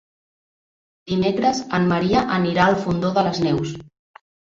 Dimecres en Maria anirà al Fondó de les Neus.